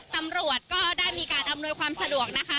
ตำรวจก็ได้มีการอำนวยความสะดวกนะคะ